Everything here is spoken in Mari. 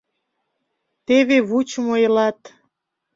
Теве вучымо элат